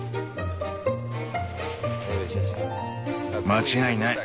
間違いない。